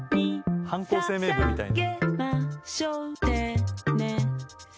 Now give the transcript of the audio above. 犯行声明文みたいな。